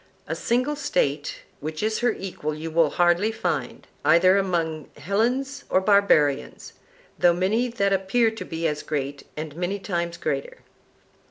A single State which is her equal you will hardly find, either among Hellenes or barbarians, though many that appear to be as great and many times greater.